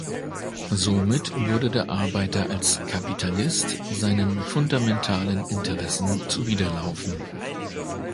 Somit würde der Arbeiter als „Kapitalist“ seinen fundamentalen Interessen zuwiderlaufen.